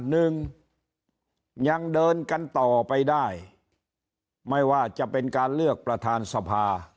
หนึ่งยังเดินกันต่อไปได้ไม่ว่าจะเป็นการเลือกประธานสภา